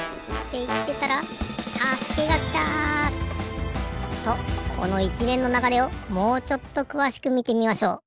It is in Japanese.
いってたらたすけがきた！とこのいちれんのながれをもうちょっとくわしくみてみましょう。